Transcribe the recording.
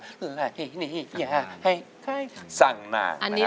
อะไรนี้อย่าให้ใครสั่งนาง